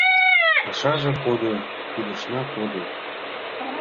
Пашаже кодо, кидешна кодо.